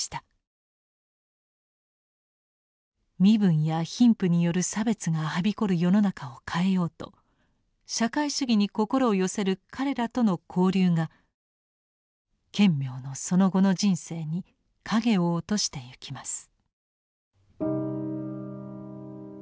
身分や貧富による差別がはびこる世の中を変えようと社会主義に心を寄せる彼らとの交流が顕明のその後の人生に影を落としてゆきます。